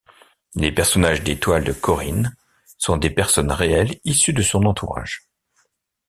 Les personnages des toiles de Korine sont des personnes réelles issues de son entourage.